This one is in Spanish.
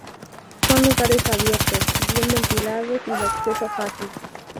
Son lugares abiertos, bien ventilados y de acceso fácil.